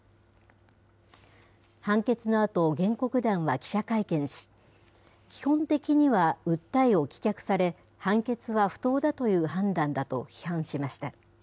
判決のあと、原告団は記者会見し、基本的には訴えを棄却され、判決は不当だという判断だと批判しました。